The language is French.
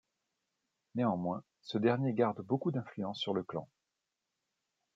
Néanmoins ce dernier garde beaucoup d'influence sur le clan.